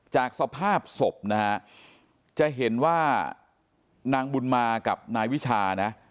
จากสภาพศพนะฮะจะเห็นว่านางบุญมากับนายวิชานะ